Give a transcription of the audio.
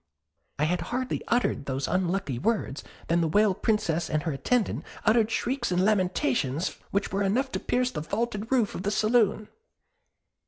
I had hardly uttered those unlucky works, than the Whale Princess and her attendant uttered shrieks and lamentations which were enough to pierce the vaulted roof of the saloon.